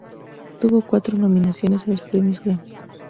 Tuvo cuatro nominaciones a los premios Grammy.